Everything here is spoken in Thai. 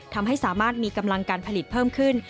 ทำให้สามารถมีกำลังการผลิตเพิ่มขึ้น